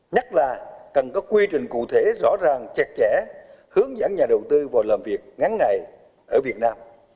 nhất là cần có quy trình cụ thể rõ ràng chặt chẽ hướng dẫn nhà đầu tư vào làm việc ngắn ngày ở việt nam